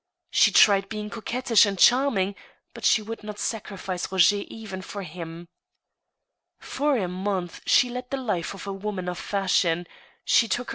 She tried being co quettish and charming, but she would not sacrifice Roger even for him. For a month she led the life of a woman of fashion ; she took PORTRAIT OF A LADY. 43 her.